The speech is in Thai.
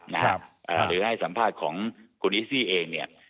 หรือให้สัมภาษณ์ของคุณอิสซี่เองเนี่ย